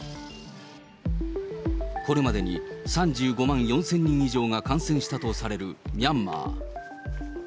これまでに３５万４０００人以上が感染したとされるミャンマー。